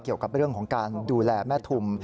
เกี่ยวกับเรื่องของการดูแลแม่ทุม